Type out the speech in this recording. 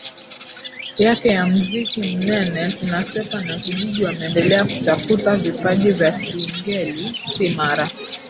yake ya Muziki Mnene Tunasepa na Kijiji wameendelea kutafuta vipaji vya Singeli Si mara